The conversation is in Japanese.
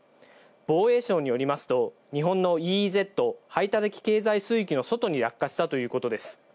防衛省によりますと、日本のＥＥＺ・排他的経済水域の外に落下したということです。